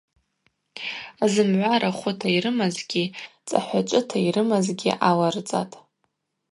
Зымгӏва рахвыта йрымазгьи цӏахӏвачӏвыта йрымазгьи аларцӏатӏ.